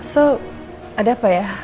so ada apa ya